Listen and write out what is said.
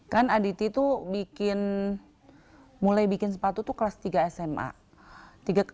kan aditya tuh bikin mulai bikin sepatu itu kelas tiga sma